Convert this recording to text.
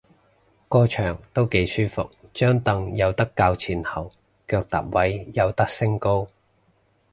個場都幾舒服，張櫈有得較前後，腳踏位有得升高